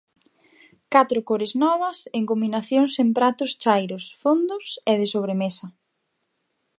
Catro cores novas en combinacións en pratos chairos, fondos e de sobremesa.